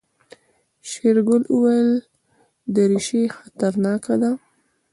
شېرګل وويل دريشي خطرناکه ده.